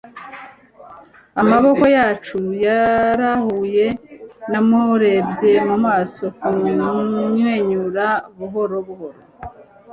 amaboko yacu yarahuye. namurebye mu maso. kumwenyura buhoro buhoro